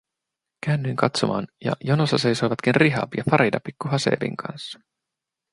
Käännyin katsomaan, ja jonossa seisoivatkin Rihab ja Farida pikku Haseebin kanssa.